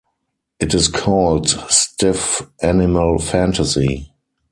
It is called "Stiff Animal Fantasy".